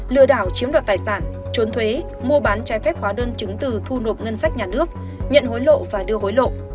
lừa đảo chiếm đoạt tài sản trốn thuế mua bán trái phép hóa đơn chứng từ thu nộp ngân sách nhà nước nhận hối lộ và đưa hối lộ